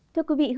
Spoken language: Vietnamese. thưa quý vị